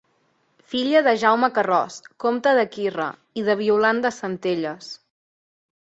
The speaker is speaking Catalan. Filla de Jaume Carròs, comte de Quirra, i de Violant de Centelles.